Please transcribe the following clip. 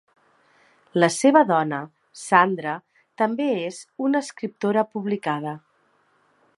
La seva dona, Sandra, també és una escriptora publicada.